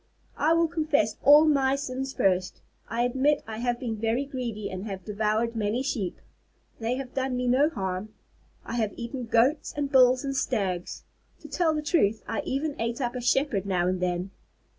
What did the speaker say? "I will confess all my sins first. I admit that I have been very greedy and have devoured many sheep. They had done me no harm. I have eaten goats and bulls and stags. To tell the truth, I even ate up a shepherd now and then.